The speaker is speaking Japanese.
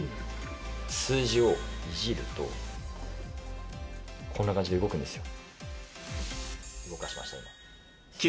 数字をいじるとこんな感じで動くんですよ。